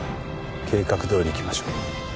計画どおりいきましょう。